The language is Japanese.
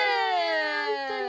本当に。